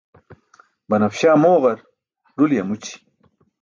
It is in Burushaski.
Banafśa mooġar, ruli amući.